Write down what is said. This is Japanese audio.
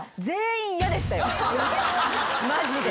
マジで。